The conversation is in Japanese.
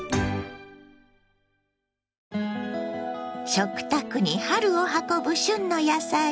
食卓に春を運ぶ旬の野菜。